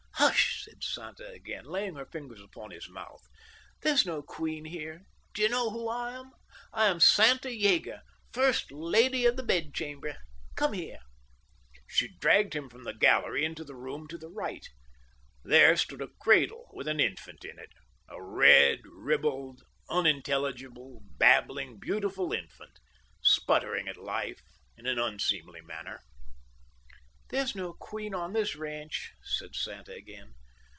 "Hush!" said Santa again, laying her fingers upon his mouth. "There's no queen here. Do you know who I am? I am Santa Yeager, First Lady of the Bedchamber. Come here." She dragged him from the gallery into the room to the right. There stood a cradle with an infant in it—a red, ribald, unintelligible, babbling, beautiful infant, sputtering at life in an unseemly manner. "There's no queen on this ranch," said Santa again.